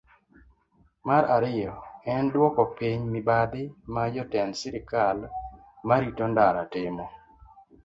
Mar ariyo, en dwoko piny mibadhi ma jotend sirkal ma rito ndara timo.